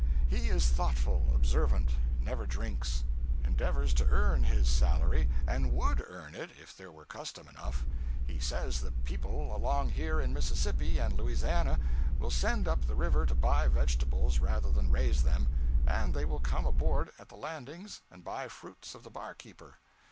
He is thoughtful, observant, never drinks; endeavors to earn his salary, and _would _earn it if there were custom enough. He says the people along here in Mississippi and Louisiana will send up the river to buy vegetables rather than raise them, and they will come aboard at the landings and buy fruits of the barkeeper.